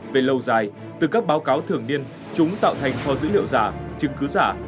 về lâu dài từ các báo cáo thường niên chúng tạo thành kho dữ liệu giả chứng cứ giả